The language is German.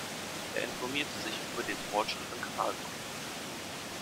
Er informierte sich über den Fortschritt im Kanalbau.